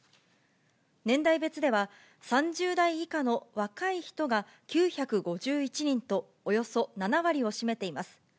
年代別では、３０代以下の若い人が９５１人と、およそ７割を占めています。